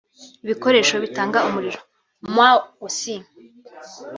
ibikoresho bitanga umuriro